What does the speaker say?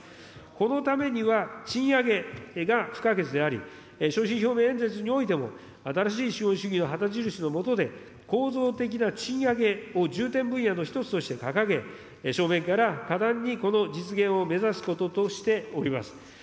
このためには、賃上げが不可欠であり、所信表明演説においても、新しい資本主義の旗印の下で、構造的な賃上げを重点分野の一つとして掲げ、正面から果断にこの実現を目指すこととしております。